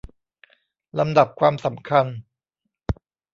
ลำดับความสำคัญ